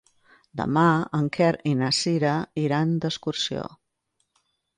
Demà en Quer i na Cira iran d'excursió.